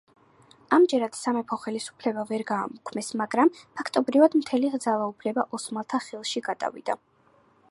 ამჯერად სამეფო ხელისუფლება ვერ გააუქმეს, მაგრამ, ფაქტობრივად, მთელი ძალაუფლება ოსმალთა ხელში გადავიდა.